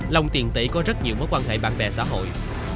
long tiện tỷ có rất nhiều mối quan hệ bạn bè xã hội